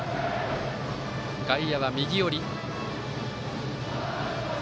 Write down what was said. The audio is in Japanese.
外野は右寄り。